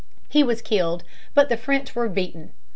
He was killed, but the French were beaten.